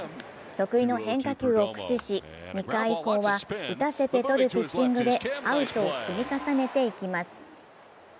得意の変化球を駆使し、２回以降は打たせて取るピッチングでアウトを積み重ねていきます。